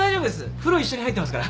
風呂一緒に入ってますから。